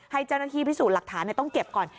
ให้เจ้าหน้าที่พิสูจน์หลักฐานต้องเก็บก่อน